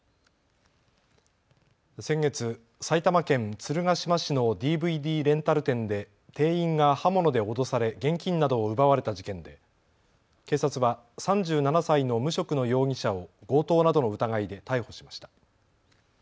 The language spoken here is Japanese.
先月、埼玉県鶴ヶ島市のＤＶＤレンタル店で店員が刃物で脅され現金などを奪われた事件で警察は３７歳の無職の容疑者を強盗などの疑いで逮捕しました。